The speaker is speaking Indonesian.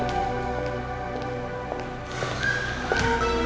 terima kasih ya